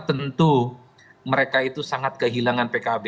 tentu mereka itu sangat kehilangan pkb